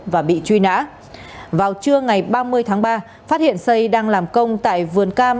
và bị truy nã vào trưa ngày ba mươi tháng ba phát hiện xây đang làm công tại vườn cam